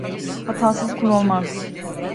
Hatasız kul olmaz.